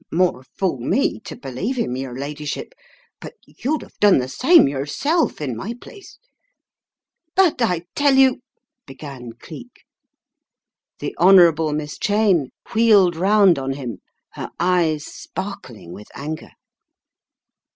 More fool me to believe him, yer ladyship, but you'd 'ave done the same yourself in my place " "But I tell you " began Cleek. The Honourable Miss Cheyne wheeled round on him, her eyes sparkling with anger.